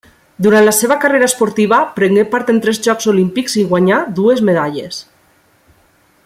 Durant la seva carrera esportiva prengué part en tres Jocs Olímpics i guanyà dues medalles.